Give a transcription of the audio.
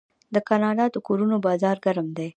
د کاناډا د کورونو بازار ګرم دی.